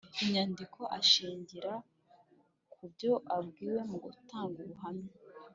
Inyandiko ashingira ku byo abwiwe mugutanga ubuhamya